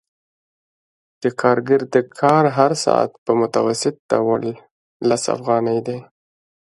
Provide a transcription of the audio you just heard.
د کارګر د کار هر ساعت په متوسط ډول لس افغانۍ دی